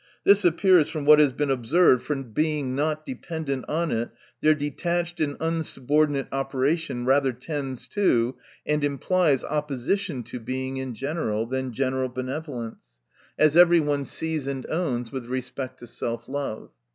This appears from what has been observed : for being not dependent on it, their detached and unsubordinate operation rather tends to, and implies opposition to Being in general, than general benevolence ; as every one sees and owns with respect to self love.